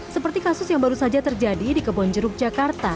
seperti kasus yang baru saja terjadi di kebonjeruk jakarta